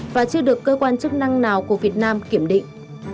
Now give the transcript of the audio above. và chưa được cơ quan chức năng nào của việt nam kiểm định